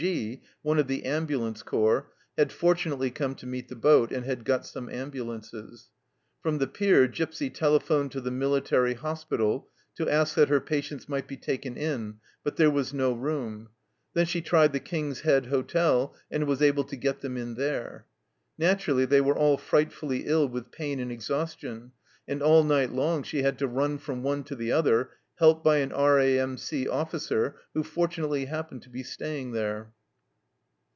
G , one of the ambulance corps, had fortunately come to meet the boat, and had got some ambulances. From the pier Gipsy telephoned to the military hospital to ask that her patients might be taken in, but there was no room. Then she tried the King's Head Hotel, and was able to get them in there. Naturally they were all frightfully ill with pain and exhaustion, and all night long she had to run from one to the other, helped by an R.A.M.C. officer who fortunately happened to be staying there.